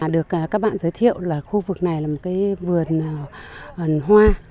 được các bạn giới thiệu là khu vực này là một vườn ẩn hoa